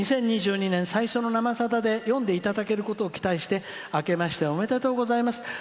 「２０２２年最初の「生さだ」で読んでいただけることを期待してあけましておめでとうございます。